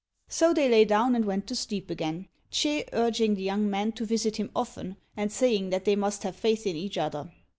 So they lay down and went to sleep again, Ch'ê urging the young man to visit him often, and saying that they must have faith in each other.